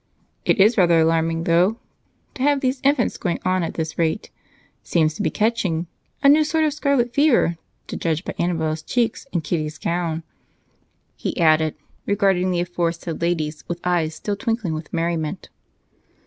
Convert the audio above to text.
"It is rather alarming, though, to have these infants going on at this rate. Seems to be catching, a new sort of scarlet fever, to judge by Annabel's cheeks and Kitty's gown," he added, regarding the aforesaid ladies with eyes still twinkling with merriment.